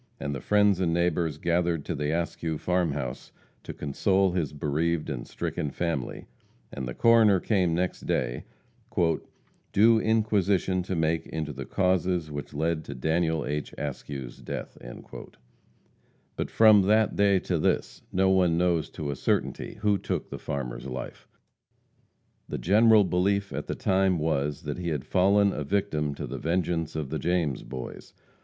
And the friends and neighbors gathered to the Askew farm house to console his bereaved and stricken family, and the coroner came next day, "due inquisition to make into the causes which led to Daniel H. Askew's death." But from that day to this no one knows to a certainty who took the farmer's life. The general belief at the time was, that he had fallen a victim to the vengeance of the James Boys.